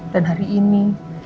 dan hari ini